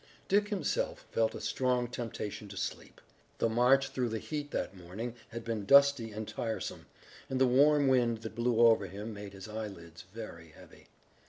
Dick himself felt a strong temptation to sleep. The march through the heat that morning had been dusty and tiresome, and the warm wind that blew over him made his eyelids very heavy.